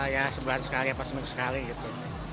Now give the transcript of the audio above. ya sebulan sekali apa seminggu sekali gitu